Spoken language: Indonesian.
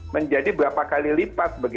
menjadi berapa kali lipat